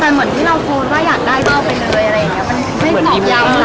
แต่เหมือนที่เราพูดว่าอยากได้ก็เอาไปเลยอะไรอย่างนี้